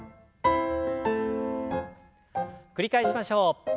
繰り返しましょう。